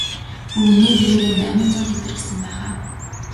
Бүр үнээ бүрээсээ найман зуун литр гэсэн байх аа?